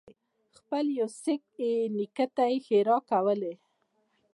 خپل يوه سېک نیکه ته یې ښېراوې کولې.